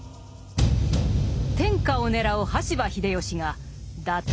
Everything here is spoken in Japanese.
天下を狙う羽柴秀吉が打倒